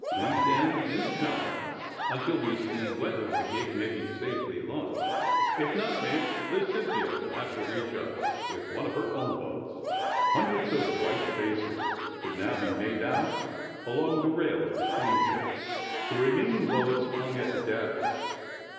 ^^ Leave them in the tower until we see whether the gig may be safely launched. If not, mate, the ^Cynthia' will have to reach us with one of her own boats. '' Hundreds of white faces could now be made out along the rail of the steamship. The re maining boats hung at the davits.